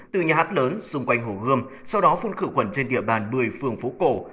từ nhà hát lớn xung quanh hồ gươm sau đó phun khử khuẩn trên địa bàn một mươi phường phố cổ